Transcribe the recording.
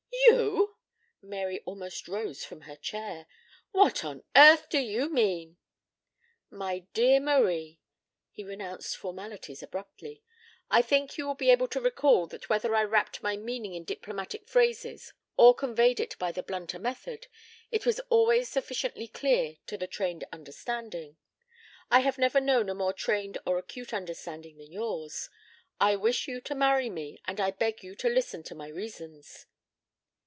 "You!" Mary almost rose from her chair. "What on earth do you mean?" "My dear Marie." He renounced formalities abruptly. "I think you will be able to recall that whether I wrapped my meaning in diplomatic phrases or conveyed it by the blunter method, it was always sufficiently clear to the trained understanding. I have never known a more trained or acute understanding than yours. I wish you to marry me, and I beg you to listen to my reasons."